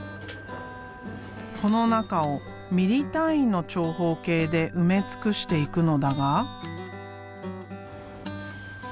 この中をミリ単位の長方形で埋め尽くしていくのだが。